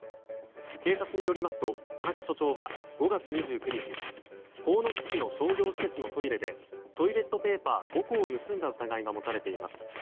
警察によりますと田中署長は５月２９日鴻巣市の商業施設のトイレでトイレットペーパー５個を盗んだ疑いが持たれています。